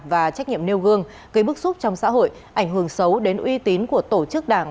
và trách nhiệm nêu gương gây bức xúc trong xã hội ảnh hưởng xấu đến uy tín của tổ chức đảng